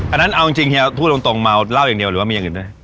อันนั้นเอาจริงเฮียพูดตรงเมาเหล้าอย่างเดียวหรือว่ามีอย่างอื่นได้